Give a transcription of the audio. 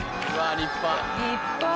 立派。